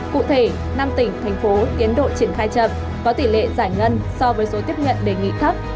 cụ thể năm tỉnh thành phố tiến độ triển khai chậm có tỷ lệ giải ngân so với số tiếp nhận đề nghị thấp